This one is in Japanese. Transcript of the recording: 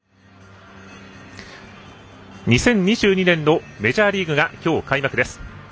２０２２年のメジャーリーグが今日開幕です。